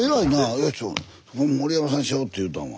「よし森山さんにしよ！」って言うたんは。